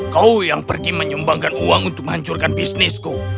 kau yang pergi menyumbangkan uang untuk menghancurkan bisnisku